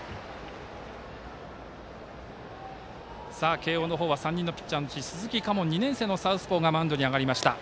慶応のほうは３人のピッチャーのうち鈴木佳門、２年生のサウスポーがマウンドに上がりました。